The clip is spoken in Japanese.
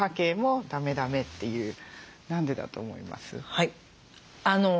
はい。